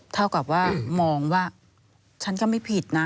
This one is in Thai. เท่ากับว่ามองว่าฉันก็ไม่ผิดนะ